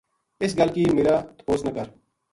اِس گل کی میرا تپوس نہ کر